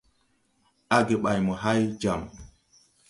Age ɓay mo hay jam.